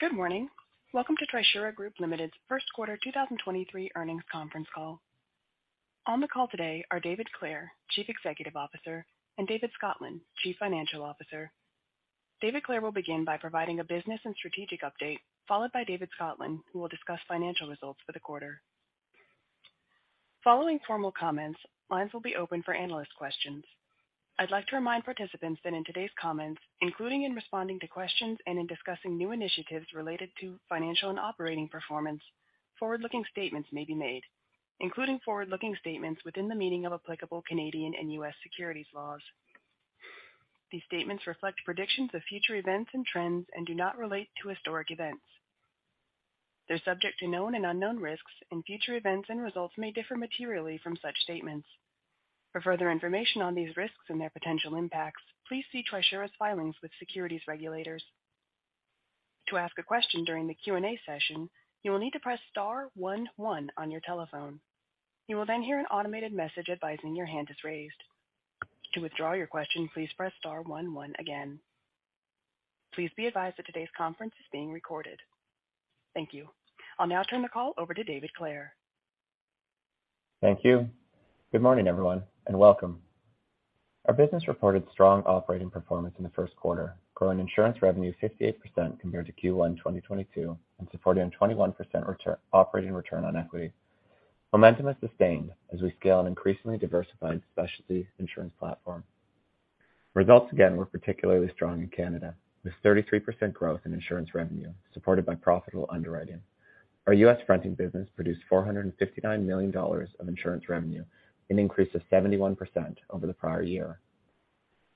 Good morning. Welcome to Trisura Group Ltd's first quarter 2023 earnings conference call. On the call today are David Clare, Chief Executive Officer, and David Scotland, Chief Financial Officer. David Clare will begin by providing a business and strategic update, followed by David Scotland, who will discuss financial results for the quarter. Following formal comments, lines will be open for analyst questions. I'd like to remind participants that in today's comments, including in responding to questions and in discussing new initiatives related to financial and operating performance, forward-looking statements may be made, including forward-looking statements within the meaning of applicable Canadian and U.S. securities laws. These statements reflect predictions of future events and trends and do not relate to historic events. They're subject to known and unknown risks, and future events and results may differ materially from such statements. For further information on these risks and their potential impacts, please see Trisura's filings with securities regulators. To ask a question during the Q&A session, you will need to press star one one on your telephone. You will then hear an automated message advising your hand is raised. To withdraw your question, please press star one one again. Please be advised that today's conference is being recorded. Thank you. I'll now turn the call over to David Clare. Thank you. Good morning, everyone, and welcome. Our business reported strong operating performance in the first quarter, growing insurance revenue 58% compared to Q1 2022 and supporting 21% operating return on equity. Momentum is sustained as we scale an increasingly diversified specialty insurance platform. Results again were particularly strong in Canada, with 33% growth in insurance revenue supported by profitable underwriting. Our U.S. fronting business produced $459 million of insurance revenue, an increase of 71% over the prior year.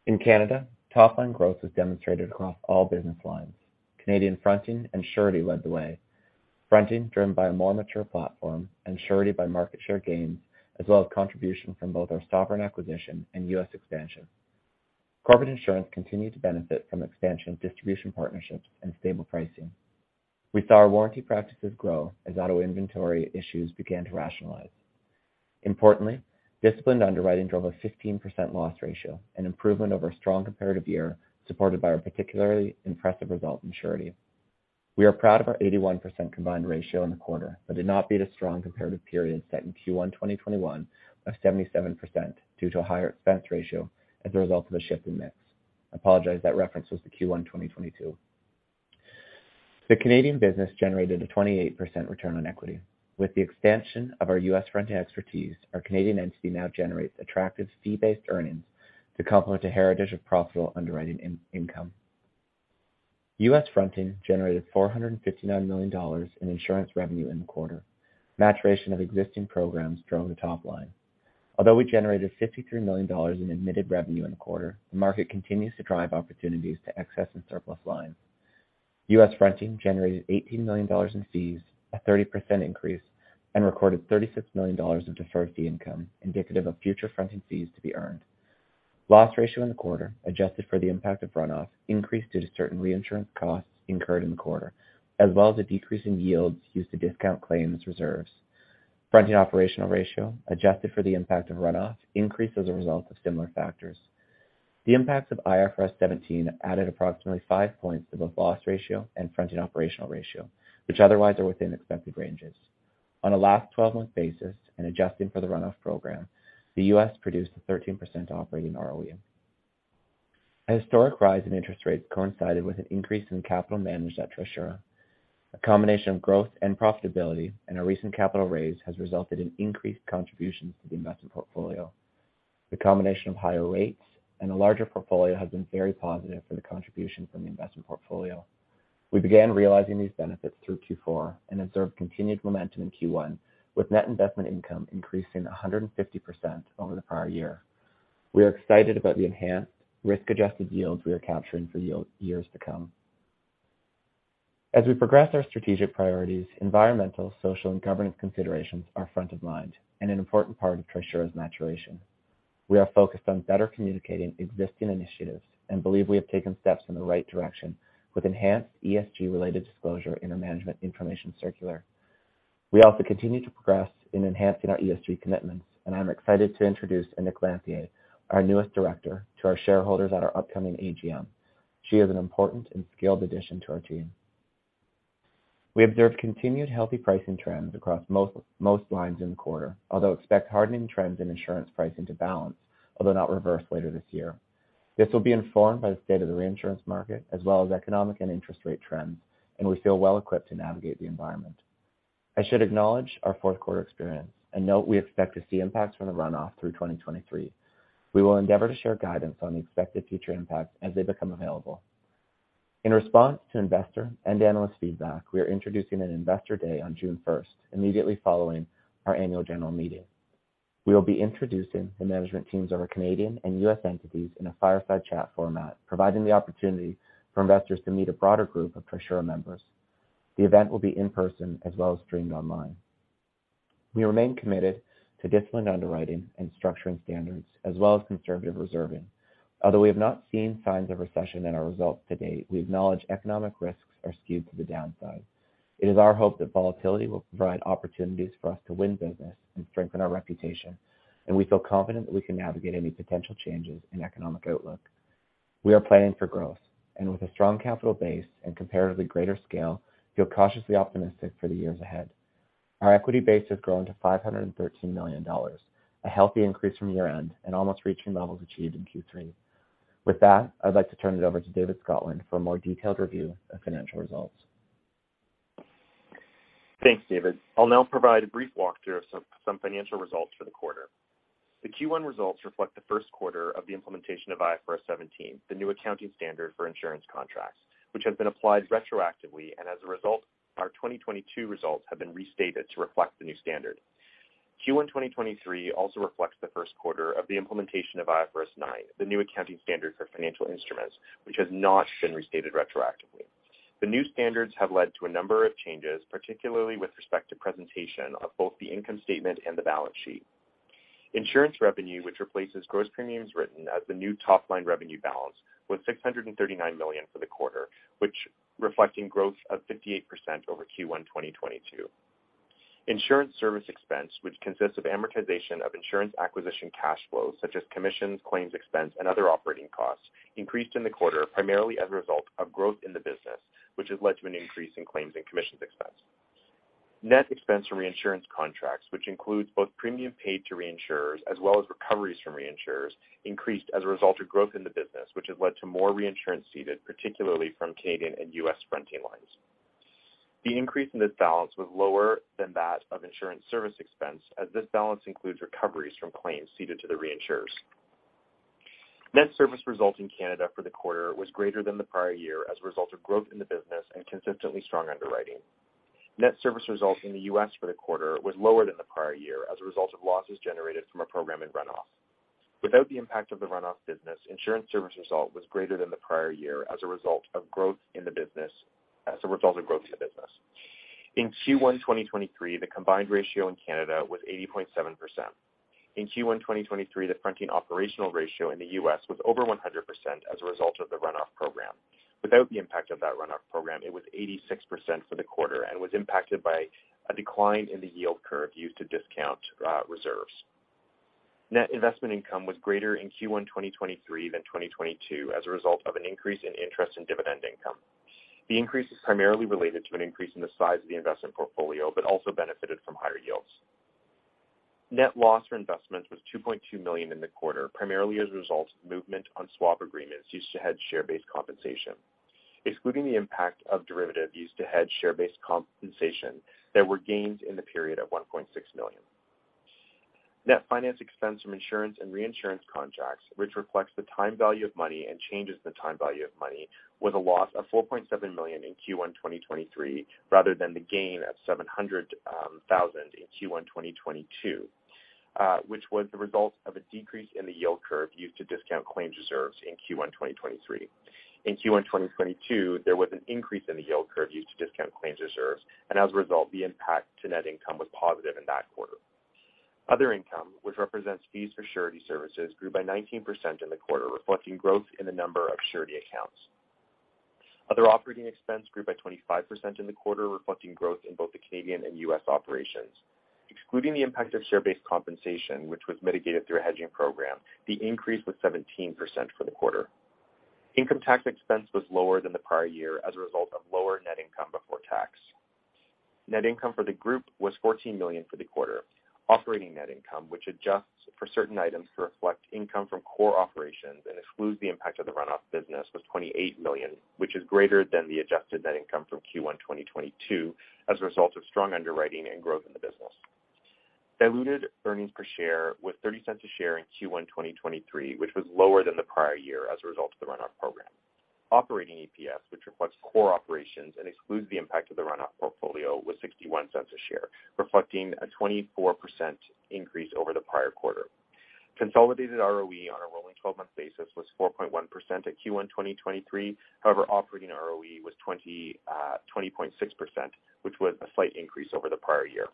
In Canada, top line growth was demonstrated across all business lines. Canadian fronting and surety led the way. Fronting driven by a more mature platform and surety by market share gains, as well as contribution from both our Sovereign acquisition and U.S. expansion. Corporate insurance continued to benefit from expansion of distribution partnerships and stable pricing. We saw our warranty practices grow as auto inventory issues began to rationalize. Importantly, disciplined underwriting drove a 15% loss ratio, an improvement over a strong comparative year supported by our particularly impressive result in surety. We are proud of our 81% combined ratio in the quarter, did not beat a strong comparative period set in Q1 2021 of 77% due to a higher expense ratio as a result of a shift in mix. I apologize, that reference was to Q1 2022. The Canadian business generated a 28% return on equity. With the expansion of our US fronting expertise, our Canadian entity now generates attractive fee-based earnings to complement a heritage of profitable underwriting in-income. US fronting generated 459 million dollars in insurance revenue in the quarter. Maturation of existing programs drove the top line. Although we generated $53 million in admitted revenue in the quarter, the market continues to drive opportunities to Excess in Surplus Lines. US fronting generated $18 million in fees, a 30% increase, and recorded $36 million of deferred fee income indicative of future fronting fees to be earned. Loss ratio in the quarter, adjusted for the impact of run-off, increased due to certain reinsurance costs incurred in the quarter, as well as a decrease in yields used to discount claims reserves. Fronting operational ratio, adjusted for the impact of run-off, increased as a result of similar factors. The impacts of IFRS 17 added approximately five points to both loss ratio and fronting operational ratio, which otherwise are within expected ranges. On a last 12-month basis and adjusting for the run-off program, the US produced a 13% operating ROE. A historic rise in interest rates coincided with an increase in capital managed at Trisura. A combination of growth and profitability and a recent capital raise has resulted in increased contributions to the investment portfolio. The combination of higher rates and a larger portfolio has been very positive for the contribution from the investment portfolio. We began realizing these benefits through Q4 and observed continued momentum in Q1, with net investment income increasing 150% over the prior year. We are excited about the enhanced risk-adjusted yields we are capturing for years to come. As we progress our strategic priorities, environmental, social, and governance considerations are front of mind and an important part of Trisura's maturation. We are focused on better communicating existing initiatives and believe we have taken steps in the right direction with enhanced ESG-related disclosure in our management information circular. We also continue to progress in enhancing our ESG commitments. I'm excited to introduce Anik Lanthier, our newest director, to our shareholders at our upcoming AGM. She is an important and skilled addition to our team. We observed continued healthy pricing trends across most lines in the quarter, although expect hardening trends in insurance pricing to balance, although not reverse later this year. This will be informed by the state of the reinsurance market as well as economic and interest rate trends, and we feel well equipped to navigate the environment. I should acknowledge our fourth quarter experience and note we expect to see impacts from the run-off through 2023. We will endeavor to share guidance on the expected future impacts as they become available. In response to investor and analyst feedback, we are introducing an investor day on June first, immediately following our annual general meeting. We will be introducing the management teams of our Canadian and U.S. entities in a fireside chat format, providing the opportunity for investors to meet a broader group of Trisura members. The event will be in person as well as streamed online. We remain committed to disciplined underwriting and structuring standards as well as conservative reserving. Although we have not seen signs of recession in our results to date, we acknowledge economic risks are skewed to the downside. It is our hope that volatility will provide opportunities for us to win business and strengthen our reputation, and we feel confident that we can navigate any potential changes in economic outlook. We are planning for growth, and with a strong capital base and comparatively greater scale, feel cautiously optimistic for the years ahead. Our equity base has grown to 513 million dollars, a healthy increase from year-end and almost reaching levels achieved in Q3. I'd like to turn it over to David Scotland for a more detailed review of financial results. Thanks, David. I'll now provide a brief walkthrough of some financial results for the quarter. The Q1 results reflect the first quarter of the implementation of IFRS 17, the new accounting standard for insurance contracts, which have been applied retroactively. As a result, our 2022 results have been restated to reflect the new standard. Q1 2023 also reflects the first quarter of the implementation of IFRS 9, the new accounting standard for financial instruments, which has not been restated retroactively. The new standards have led to a number of changes, particularly with respect to presentation of both the income statement and the balance sheet. Insurance revenue, which replaces gross premiums written as the new top-line revenue balance, was 639 million for the quarter, which reflecting growth of 58% over Q1 2022. Insurance service expense, which consists of amortization of insurance acquisition cash flows such as commissions, claims expense, and other operating costs, increased in the quarter primarily as a result of growth in the business, which has led to an increase in claims and commissions expense. Net expense from reinsurance contracts, which includes both premium paid to reinsurers as well as recoveries from reinsurers, increased as a result of growth in the business, which has led to more reinsurance ceded, particularly from Canadian and US fronting lines. The increase in this balance was lower than that of insurance service expense, as this balance includes recoveries from claims ceded to the reinsurers. Net service result in Canada for the quarter was greater than the prior year as a result of growth in the business and consistently strong underwriting. Net service result in the U.S. for the quarter was lower than the prior year as a result of losses generated from a program in runoff. Without the impact of the runoff business, insurance service result was greater than the prior year as a result of growth in the business. In Q1 2023, the combined ratio in Canada was 80.7%. In Q1 2023, the fronting operational ratio in the U.S. was over 100% as a result of the runoff program. Without the impact of that runoff program, it was 86% for the quarter and was impacted by a decline in the yield curve used to discount reserves. Net investment income was greater in Q1 2023 than 2022 as a result of an increase in interest in dividend income. The increase is primarily related to an increase in the size of the investment portfolio, but also benefited from higher yields. Net loss for investment was 2.2 million in the quarter, primarily as a result of movement on swap agreements used to hedge share-based compensation. Excluding the impact of derivative used to hedge share-based compensation, there were gains in the period of 1.6 million. Net finance expense from insurance and reinsurance contracts, which reflects the time value of money and changes in the time value of money, was a loss of 4.7 million in Q1 2023 rather than the gain of 700 thousand in Q1 2022, which was the result of a decrease in the yield curve used to discount claims reserves in Q1 2023. In Q1 2022, there was an increase in the yield curve used to discount claims reserves, and as a result, the impact to net income was positive in that quarter. Other income, which represents fees for surety services, grew by 19% in the quarter, reflecting growth in the number of surety accounts. Other operating expense grew by 25% in the quarter, reflecting growth in both the Canadian and US operations. Excluding the impact of share-based compensation, which was mitigated through a hedging program, the increase was 17% for the quarter. Income tax expense was lower than the prior year as a result of lower net income before tax. Net income for the group was 14 million for the quarter. Operating net income, which adjusts for certain items to reflect income from core operations and excludes the impact of the runoff business, was 28 million, which is greater than the adjusted net income from Q1 2022 as a result of strong underwriting and growth in the business. Diluted earnings per share was 0.30 a share in Q1 2023, which was lower than the prior year as a result of the runoff program. Operating EPS, which reflects core operations and excludes the impact of the runoff portfolio, was 0.61 a share, reflecting a 24% increase over the prior quarter. Consolidated ROE on a rolling 12-month basis was 4.1% at Q1 2023. Operating ROE was 20.6%, which was a slight increase over the prior year.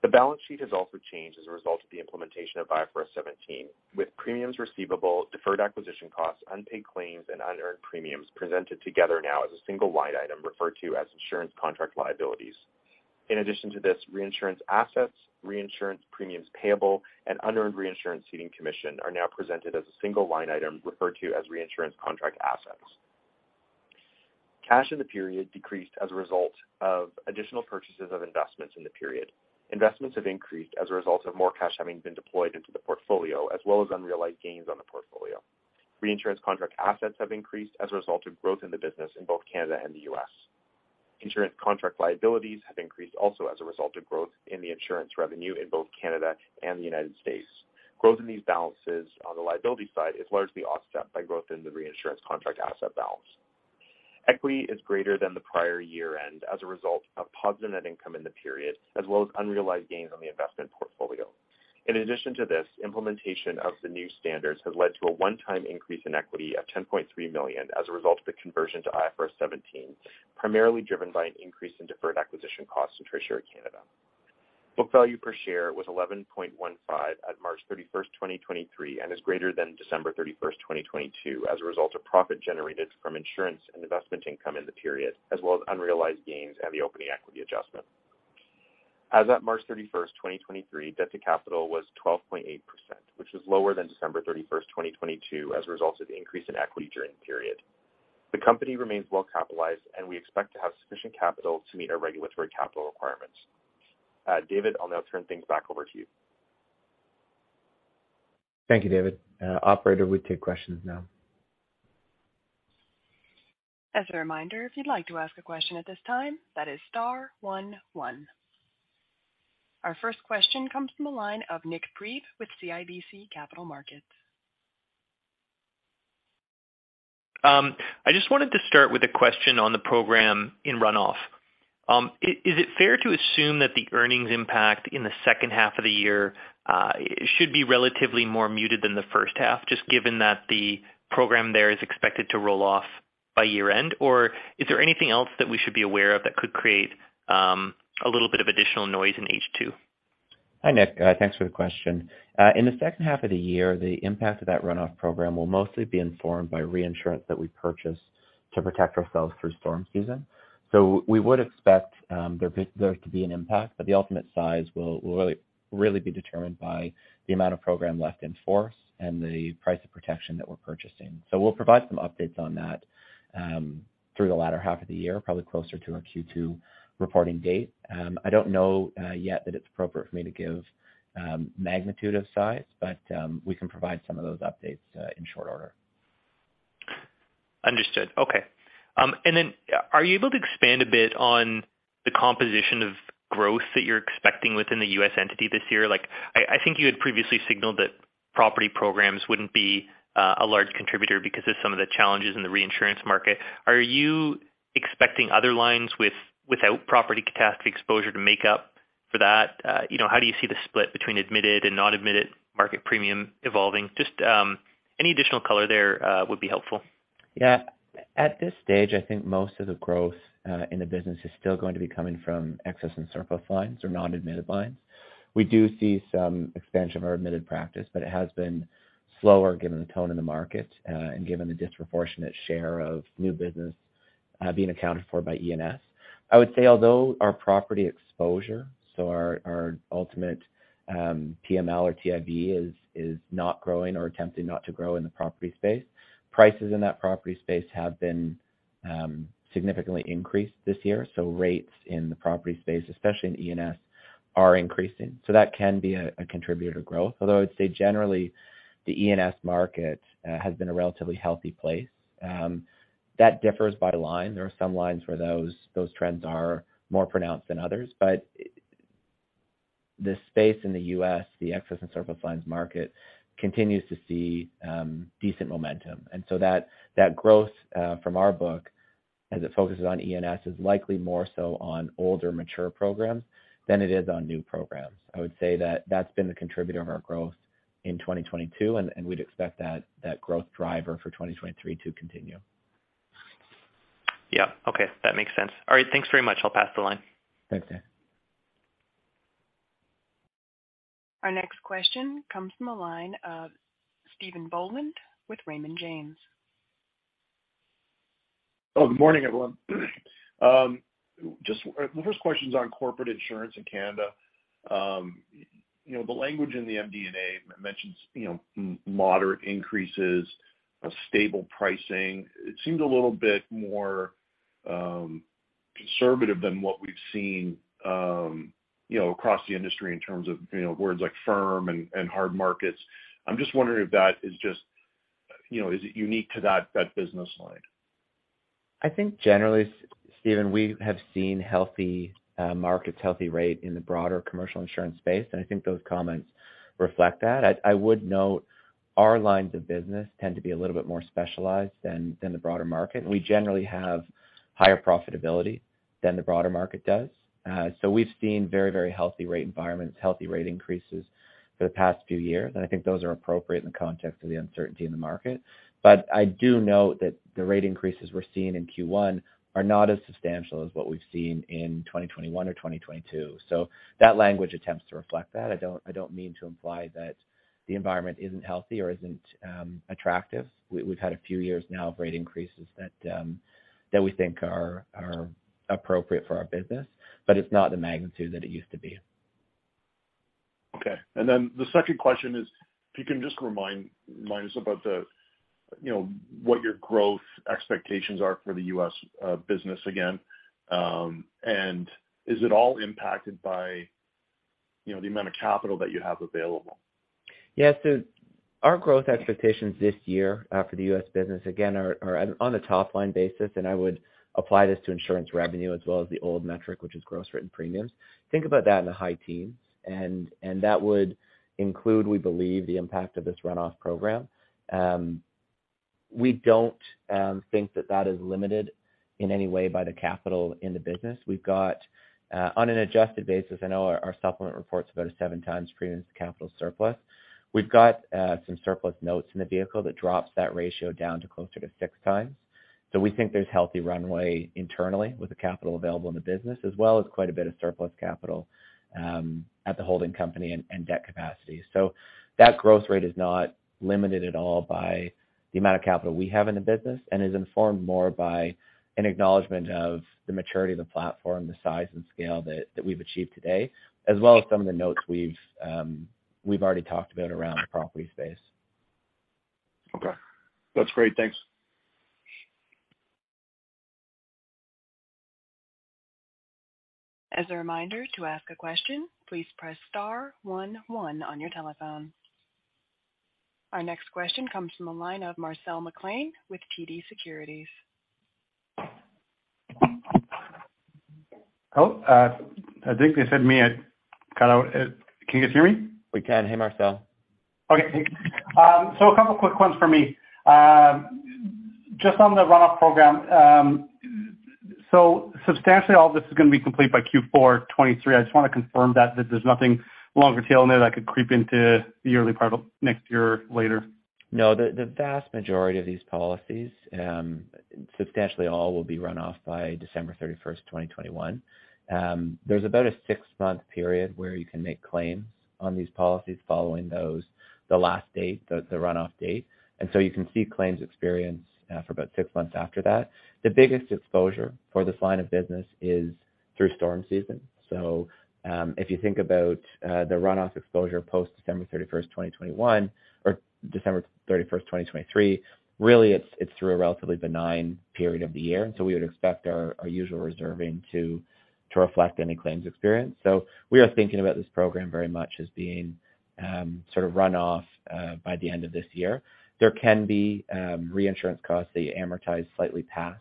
The balance sheet has also changed as a result of the implementation of IFRS 17, with premiums receivable, deferred acquisition costs, unpaid claims, and unearned premiums presented together now as a single line item referred to as insurance contract liabilities. In addition to this, reinsurance assets, reinsurance premiums payable, and unearned reinsurance ceding commission are now presented as a single line item referred to as reinsurance contract assets. Cash in the period decreased as a result of additional purchases of investments in the period. Investments have increased as a result of more cash having been deployed into the portfolio, as well as unrealized gains on the portfolio. Reinsurance contract assets have increased as a result of growth in the business in both Canada and the U.S. Insurance contract liabilities have increased also as a result of growth in the insurance revenue in both Canada and the United States. Growth in these balances on the liability side is largely offset by growth in the reinsurance contract asset balance. Equity is greater than the prior year-end as a result of positive net income in the period, as well as unrealized gains on the investment portfolio. In addition to this, implementation of the new standards has led to a one-time increase in equity of 10.3 million as a result of the conversion to IFRS 17, primarily driven by an increase in deferred acquisition costs to Trisura Canada. Book Value Per Share was 11.15 at March 31, 2023, and is greater than December 31, 2022 as a result of profit generated from insurance and investment income in the period, as well as unrealized gains and the opening equity adjustment. As at March 31, 2023, debt to capital was 12.8%, which is lower than December 31, 2022 as a result of the increase in equity during the period. The company remains well capitalized and we expect to have sufficient capital to meet our regulatory capital requirements. David, I'll now turn things back over to you. Thank you, David. Operator, we take questions now. As a reminder, if you'd like to ask a question at this time, that is star one one. Our first question comes from the line of Nick Prattis with CIBC Capital Markets. I just wanted to start with a question on the program in runoff. Is it fair to assume that the earnings impact in the second half of the year should be relatively more muted than the first half, just given that the program there is expected to roll off by year-end? Is there anything else that we should be aware of that could create a little bit of additional noise in H2? Hi, Nick. Thanks for the question. In the second half of the year, the impact of that runoff program will mostly be informed by reinsurance that we purchased to protect ourselves through storm season. We would expect there to be an impact, but the ultimate size will really be determined by the amount of program left in force and the price of protection that we're purchasing. We'll provide some updates on that through the latter half of the year, probably closer to our Q2 reporting date. I don't know yet that it's appropriate for me to give magnitude of size, but we can provide some of those updates in short order. Understood. Okay. Then, are you able to expand a bit on the composition of growth that you're expecting within the U.S. entity this year? Like, I think you had previously signaled that property programs wouldn't be a large contributor because of some of the challenges in the reinsurance market. Are you expecting other lines without property catastrophe exposure to make up for that? You know, how do you see the split between admitted and non-admitted market premium evolving? Just, any additional color there would be helpful. Yeah. At this stage, I think most of the growth in the business is still going to be coming from excess and surplus lines or non-admitted lines. It has been slower given the tone in the market and given the disproportionate share of new business being accounted for by E&S. I would say although our property exposure, so our ultimate PML or TIV is not growing or attempting not to grow in the property space, prices in that property space have been significantly increased this year. Rates in the property space, especially in E&S, are increasing. That can be a contributor to growth. Although I would say generally, the E&S market has been a relatively healthy place. That differs by line. There are some lines where those trends are more pronounced than others. The space in the U.S., the Excess and Surplus Lines market, continues to see decent momentum. That growth from our book, as it focuses on E&S, is likely more so on older mature programs than it is on new programs. I would say that that's been the contributor of our growth in 2022, and we'd expect that growth driver for 2023 to continue. Yeah. Okay. That makes sense. All right. Thanks very much. I'll pass the line. Thanks, Nick. Our next question comes from the line of Stephen Boland with Raymond James. Oh, good morning, everyone. Just, the first question's on corporate insurance in Canada. You know, the language in the MD&A mentions, you know, moderate increases, stable pricing. It seems a little bit more conservative than what we've seen, you know, across the industry in terms of, you know, words like firm and hard markets. I'm just wondering if that is just, you know, is it unique to that business line? I think generally, Steven, we have seen healthy markets, healthy rate in the broader commercial insurance space, and I think those comments reflect that. I would note our lines of business tend to be a little bit more specialized than the broader market. We generally have higher profitability than the broader market does. We've seen very healthy rate environments, healthy rate increases for the past few years, and I think those are appropriate in the context of the uncertainty in the market. I do note that the rate increases we're seeing in Q1 are not as substantial as what we've seen in 2021 or 2022. That language attempts to reflect that. I don't mean to imply that the environment isn't healthy or isn't attractive. We've had a few years now of rate increases that we think are appropriate for our business, but it's not the magnitude that it used to be. Okay. The second question is, if you can just remind us about the, you know, what your growth expectations are for the US business again. Is it all impacted by, you know, the amount of capital that you have available? Yeah. Our growth expectations this year for the U.S. business again are on a top-line basis, and I would apply this to insurance revenue as well as the old metric, which is gross written premiums. Think about that in the high teens, and that would include, we believe, the impact of this runoff program. We don't think that that is limited in any way by the capital in the business. We've got on an adjusted basis, I know our supplement reports about a 7 times premium to capital surplus. We've got some surplus notes in the vehicle that drops that ratio down to closer to six times. We think there's healthy runway internally with the capital available in the business, as well as quite a bit of surplus capital at the holding company and debt capacity. That growth rate is not limited at all by the amount of capital we have in the business and is informed more by an acknowledgment of the maturity of the platform, the size and scale that we've achieved today, as well as some of the notes we've already talked about around the property space. Okay. That's great. Thanks. As a reminder, to ask a question, please press star one one on your telephone. Our next question comes from the line of Marcel McLean with TD Securities. Oh, I think they sent me a kind of. Can you guys hear me? We can. Hey, Marcel. Okay, thanks. A couple quick ones for me. Just on the runoff program, substantially all of this is gonna be complete by Q4 2023. I just wanna confirm that there's nothing longer tail in there that could creep into the early part of next year or later. No, the vast majority of these policies, substantially all will be run off by December 31st, 2021. There's about a six-month period where you can make claims on these policies following those, the last date, the runoff date. You can see claims experience for about 6 months after that. The biggest exposure for this line of business is through storm season. If you think about the runoff exposure post-December 31st, 2021 or December 31st, 2023, really it's through a relatively benign period of the year. We would expect our usual reserving to reflect any claims experienced. We are thinking about this program very much as being sort of run off by the end of this year. There can be, reinsurance costs that you amortize slightly past,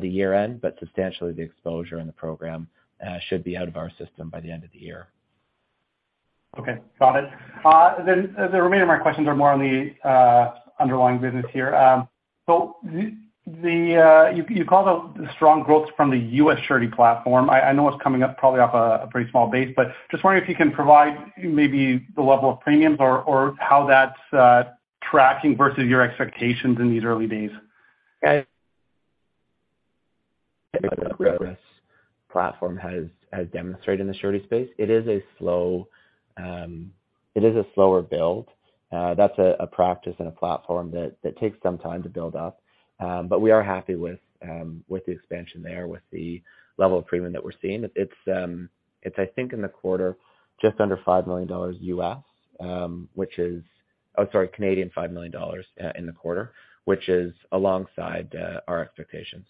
the year-end, but substantially the exposure in the program, should be out of our system by the end of the year. Okay. Got it. The remainder of my questions are more on the underlying business here. You called out the strong growth from the U.S. Surety platform. I know it's coming up probably off a pretty small base, just wondering if you can provide maybe the level of premiums or how that's tracking versus your expectations in these early days? Platform has demonstrated in the surety space. It is a slow, it is a slower build. That's a practice and a platform that takes some time to build up. We are happy with the expansion there, with the level of premium that we're seeing. It's I think in the quarter just under $5 million U.S., which is. Oh, sorry, 5 million Canadian dollars in the quarter, which is alongside our expectations.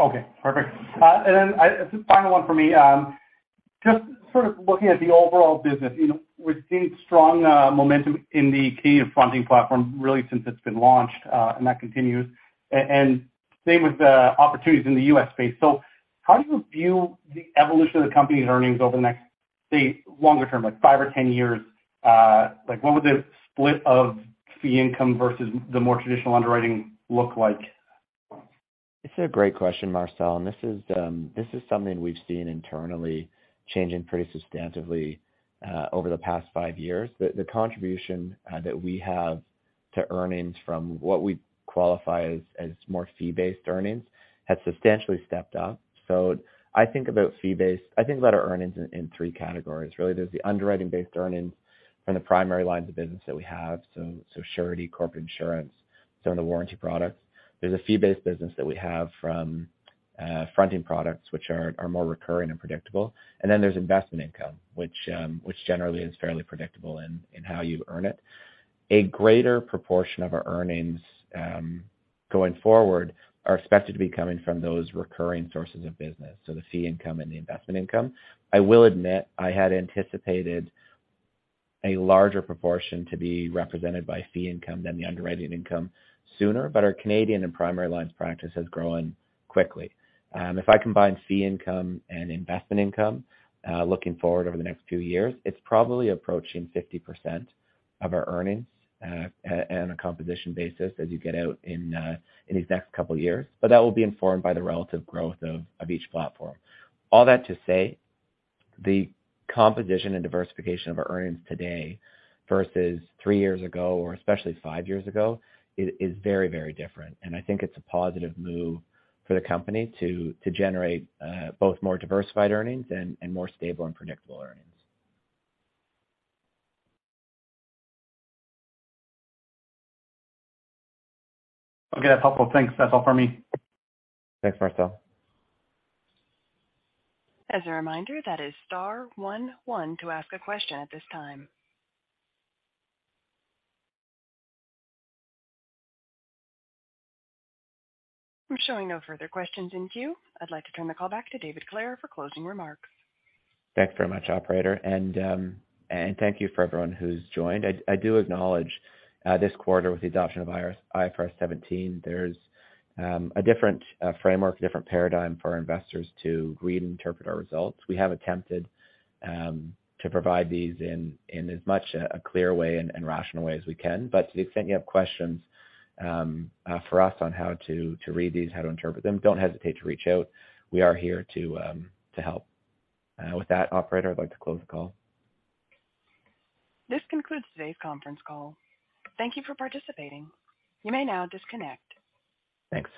Okay, perfect. Then, just final one for me. Just sort of looking at the overall business, you know, we're seeing strong momentum in the Canadian fronting platform really since it's been launched, and that continues. And same with the opportunities in the U.S. space. How do you view the evolution of the company's earnings over the next, say, longer term, like five or 10 years? Like, what would the split of fee income versus the more traditional underwriting look like? It's a great question, Marcel. This is something we've seen internally changing pretty substantively over the past five years. The contribution that we have to earnings from what we qualify as more fee-based earnings has substantially stepped up. I think about fee-based, I think about our earnings in three categories, really. There's the underwriting-based earnings from the primary lines of business that we have, so Surety, corporate insurance, some of the warranty products. There's a fee-based business that we have from fronting products, which are more recurring and predictable. Then there's investment income, which generally is fairly predictable in how you earn it. A greater proportion of our earnings going forward are expected to be coming from those recurring sources of business, so the fee income and the investment income. I will admit, I had anticipated a larger proportion to be represented by fee income than the underwriting income sooner, but our Canadian and primary lines practice has grown quickly. If I combine fee income and investment income, looking forward over the next two years, it's probably approaching 50% of our earnings, at a composition basis as you get out in these next couple years. That will be informed by the relative growth of each platform. All that to say, the composition and diversification of our earnings today versus three years ago, or especially five years ago, is very, very different, and I think it's a positive move for the company to generate both more diversified earnings and more stable and predictable earnings. Okay, that's helpful. Thanks. That's all for me. Thanks, Marcel. As a reminder, that is star one one to ask a question at this time. I'm showing no further questions in queue. I'd like to turn the call back to David Clare for closing remarks. Thanks very much, operator. Thank you for everyone who's joined. I do acknowledge this quarter with the adoption of IFRS 17, there's a different framework, a different paradigm for our investors to read and interpret our results. We have attempted to provide these in as much a clear way and rational way as we can. To the extent you have questions for us on how to read these, how to interpret them, don't hesitate to reach out. We are here to help. With that, operator, I'd like to close the call. This concludes today's conference call. Thank you for participating. You may now disconnect. Thanks.